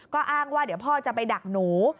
ก็อ้างว่าเดี๋ยวพ่อจะไปดักหนู